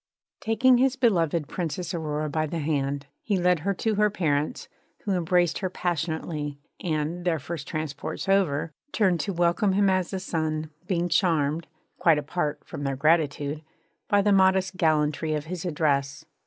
Taking his beloved Princess Aurora by the hand, he led her to her parents, who embraced her passionately and their first transports over turned to, welcome him as a son, being charmed (quite apart from their gratitude) by the modest gallantry of his address.